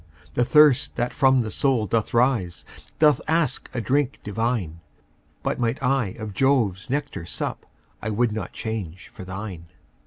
The thirst that from the soul doth rise, Doth ask a drink divine: But might I of Jove's nectar sup, I would not change for thine.